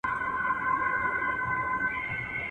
پر اسمان سپیني سپوږمیه د خدای روی مي دی دروړی.